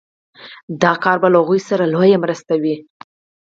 دا کار به له هغوی سره لويه مرسته وي